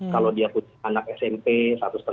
kalau dia anak smp rp satu ratus lima puluh satu tahun